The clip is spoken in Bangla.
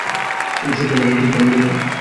তুমি শটগান, আমি কুইক গান, মুরুগান।